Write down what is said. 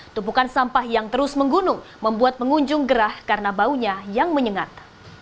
tumpukan sampah yang terus menggunung membuat pengunjung gerah karena baunya yang menyengat